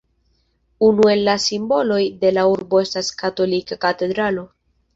Unu el la simboloj de la urbo estas la katolika katedralo.